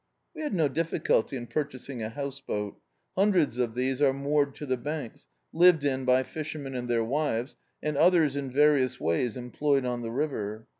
We had no difficulty in purchasing a house boat. Hundreds of these are moored to the banks, lived in by fishermen and their wives, and others in various ways employed on the river.